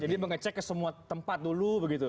jadi mengecek ke semua tempat dulu begitu